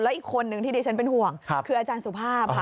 อีกคนนึงที่ดิฉันเป็นห่วงคืออาจารย์สุภาพค่ะ